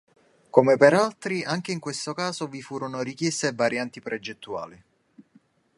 Come per altri anche in questo caso vi furono richieste e varianti progettuali.